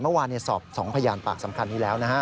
เมื่อวานสอบ๒พยานปากสำคัญนี้แล้วนะฮะ